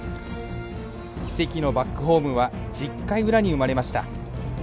奇跡のバックホームは１０回裏に生まれました。